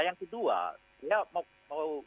nah yang kedua ya mau